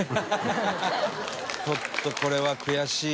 ちょっとこれは悔しいな。